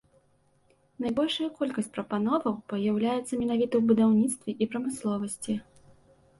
Найбольшая колькасць прапановаў паяўляецца менавіта ў будаўніцтве і прамысловасці.